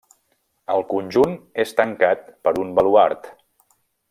El conjunt és tancat per un baluard.